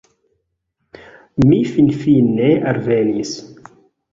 Mi finfine alvenis